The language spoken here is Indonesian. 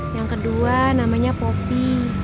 yang kedua namanya poppy